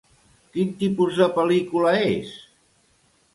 Quin tipus de pel·lícula és?